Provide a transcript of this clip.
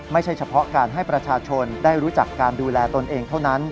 ไม่ใช่เฉพาะการให้ประชาชนได้รู้จักการดูแลตนเองเท่านั้น